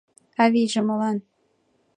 — Авийже молан?